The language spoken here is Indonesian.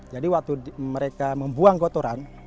jadi waktu mereka membuang gotoran